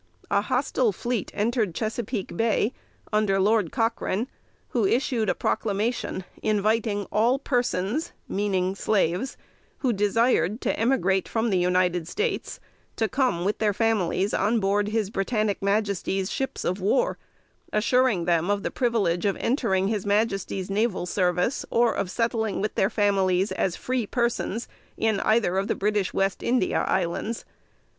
A hostile fleet entered Chesapeake Bay, under Lord Cochrane, who issued a proclamation inviting all persons (meaning slaves), who desired to emigrate from the United States, to come with their families on board his Britannic Majesty's ships of war; assuring them of the privilege of entering his Majesty's naval service, or of settling with their families, as free persons, in either of the British West India Islands.